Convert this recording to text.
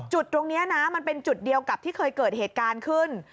จุดตรงนี้นะมันเป็นจุดเดียวกับที่เคยเกิดเหตุการณ์ขึ้น